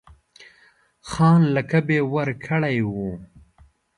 خان لقب یې ورکړی وو.